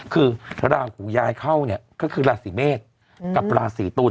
คือราหูย้ายเข้าเนี่ยก็คือราศีเมษกับราศีตุล